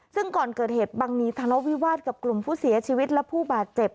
ซึ่งก่อนเกิดเหตุบังนีทะเลาะวิวาสกับกลุ่มผู้เสียชีวิตและผู้บาดเจ็บ